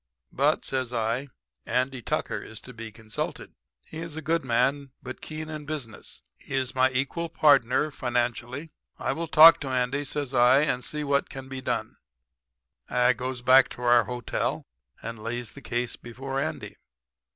But,' says I, 'Andy Tucker is to be consulted. "'He is a good man, but keen in business. He is my equal partner financially. I will talk to Andy,' says I, 'and see what can be done.' "I goes back to our hotel and lays the case before Andy.